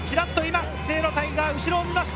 清野太雅が後ろを見ました。